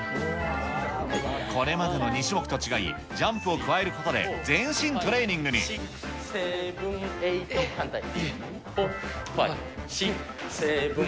これまでの２種目と違い、ジャンプを加えることで、全身トレーニ反対。